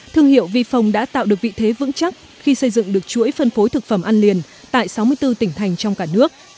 thương hiệu vifong đã tạo được vị thế vững chắc khi xây dựng được chuỗi phân phối thực phẩm ăn liền tại sáu mươi bốn tỉnh thành trong cả nước